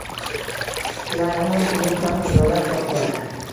Klara ham kulib, ham xijolat tortgan.